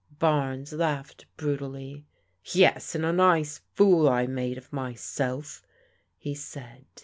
Barnes laughed brutally. "Yes, and a nice fool I made of myself," he said.